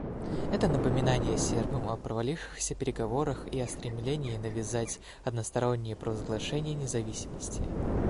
Это напоминание сербам о провалившихся переговорах и о стремлении навязать одностороннее провозглашение независимости.